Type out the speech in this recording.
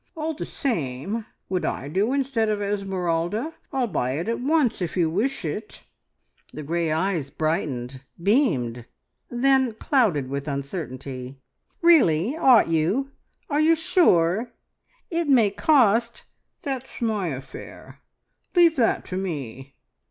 "All the same would I do instead of `Esmeralda'? I'll buy it at once, if you wish it!" The grey eyes brightened, beamed, then clouded with uncertainty. "Really? Ought you? Are you sure? It may cost " "That's my affair! Leave that to me.